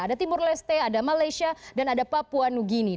ada timur leste ada malaysia dan ada papua new guinea